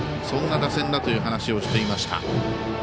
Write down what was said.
そんな打線だという話をしていました。